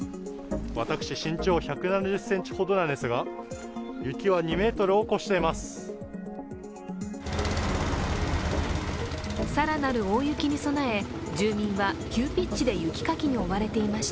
私、身長１７０ｃｍほどなのですが、雪は２ｍを超しています。